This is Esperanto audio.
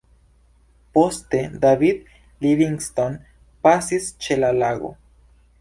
Poste David Livingstone pasis ĉe la lago.